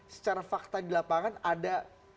secara fakta di lapangan ada